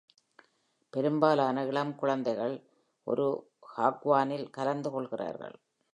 பெரும்பாலான இளம் குழந்தைகள் ஒரு ஹாக்வானில் கலந்து கொள்கிறார்கள்.